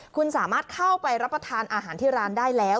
คุณสามารถเข้าไปรับประทานอาหารที่ร้านได้แล้ว